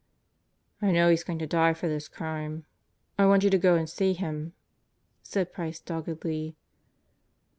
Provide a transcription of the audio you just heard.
"I know he's going to die for this crime. I want you to go to see him," said Price doggedly.